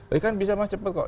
eh kan bisa mas cepat kok